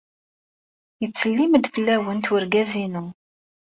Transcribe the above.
Yettsellim-d fell-awent wergaz-inu.